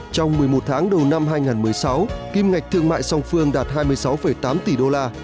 trong một mươi một tháng đầu năm hai nghìn một mươi sáu kim ngạch thương mại song phương đạt hai mươi sáu tám tỷ đô la